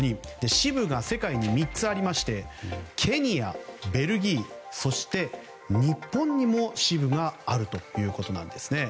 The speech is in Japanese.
支部が世界に３つありましてケニア、ベルギーそして日本にも支部があるということなんです。